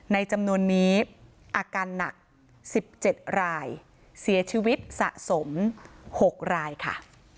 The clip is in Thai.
จำนวนนี้อาการหนัก๑๗รายเสียชีวิตสะสม๖รายค่ะ